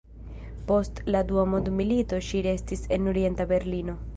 Post la Dua mondmilito ŝi restis en Orienta Berlino.